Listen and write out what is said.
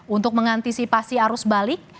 untuk mengantisipasi arus balik